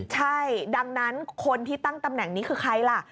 ใช่ดังนั้นคนที่ตั้งตำแหน่งนี้คือใครล่ะ